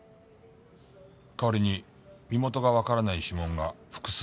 かわりに身元がわからない指紋が複数ありました。